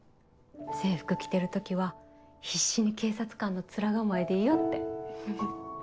「制服着てる時は必死に警察官の面構えでいよう」って。